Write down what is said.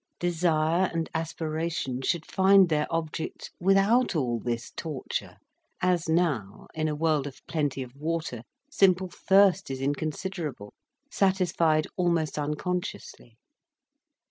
Desire and aspiration should find their object without all this torture, as now, in a world of plenty of water, simple thirst is inconsiderable, satisfied almost unconsciously.